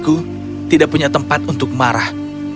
aku tidak punya tempat untuk marah